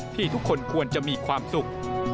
ทุกคนควรจะมีความสุข